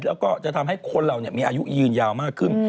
แล้วก็จะทำให้คนเรามีอายุยืนยาวมากขึ้น